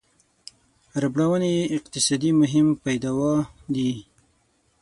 ربړ ونې یې اقتصادي مهم پیداوا دي.